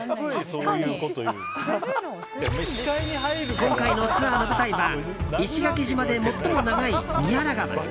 今回のツアーの舞台は石垣島で最も長い宮良川。